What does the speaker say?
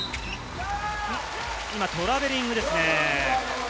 今、トラベリングですね。